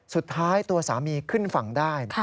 สุดท้ายตัวสามีขึ้นฝั่งได้